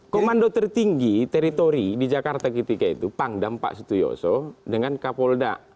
komando tertinggi teritori di jakarta ketika itu pangdam pak sutiyoso dengan kapolda